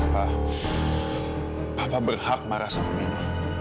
papa papa berhak marah sama milo